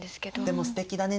でもすてきだね